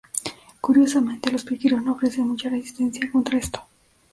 Curiosamente, los piqueros no ofrecen mucha resistencia en contra esto.